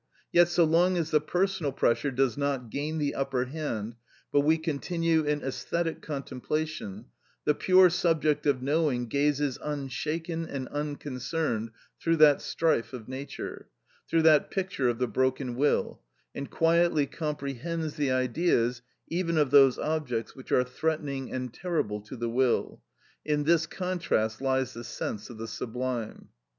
Yet, so long as the personal pressure does not gain the upper hand, but we continue in æsthetic contemplation, the pure subject of knowing gazes unshaken and unconcerned through that strife of nature, through that picture of the broken will, and quietly comprehends the Ideas even of those objects which are threatening and terrible to the will. In this contrast lies the sense of the sublime.